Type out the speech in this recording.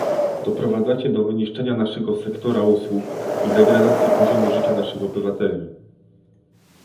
Doprowadzacie do wyniszczenia naszego sektora usług i degradacji poziomu życia naszych obywateli